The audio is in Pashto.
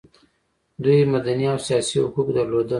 دوی مدني او سیاسي حقوق درلودل.